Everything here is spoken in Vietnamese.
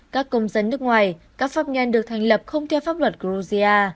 các công dân nước ngoài các pháp nhân được thành lập không theo pháp luật georgia